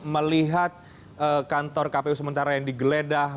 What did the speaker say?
melihat kantor kpu sementara yang digeledah